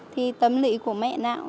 thì tâm lý của mẹ nào